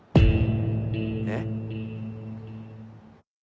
えっ？